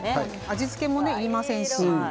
味付けもいりませんし。